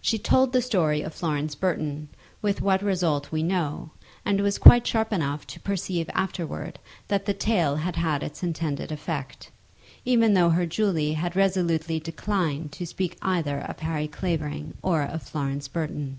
She told the story of Florence Burton, with what result we know; and was quite sharp enough to perceive afterwards that the tale had had its intended effect, even though her Julie had resolutely declined to speak either of Harry Clavering or of Florence Burton.